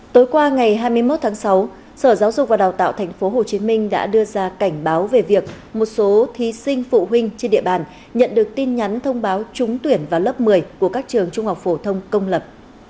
tối qua ngày hai mươi một tháng sáu sở giáo dục và đào tạo tp hcm đã đưa ra cảnh báo về việc một số thí sinh phụ huynh trên địa bàn nhận được tin nhắn thông báo trúng tuyển vào lớp một mươi của các trường trung học phổ thông công lập